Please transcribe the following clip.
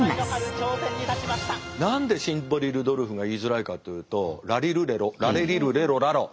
何でシンボリルドルフが言いづらいかというとラリルレロラレリルレロラロ。